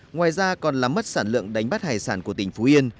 ngoài ra còn làm mất sản lượng đánh bắt hải sản của tỉnh phú yên